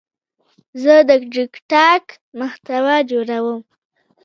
زه د ټک ټاک محتوا جوړوم.